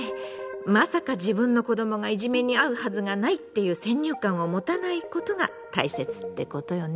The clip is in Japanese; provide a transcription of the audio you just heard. まさか自分の子どもがいじめにあうはずがないっていう先入観を持たないことが大切ってことよね。